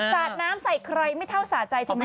สาดน้ำใส่ใครไม่เท่าสาดใจ